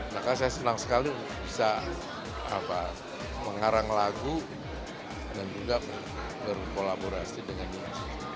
maka saya senang sekali bisa mengarang lagu dan juga berkolaborasi dengan dinas